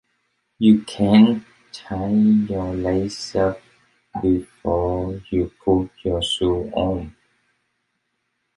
You can't tie your laces up before you put your shoe on.